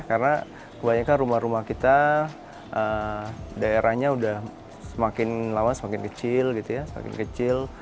karena kebanyakan rumah rumah kita daerahnya udah semakin lama semakin kecil gitu ya semakin kecil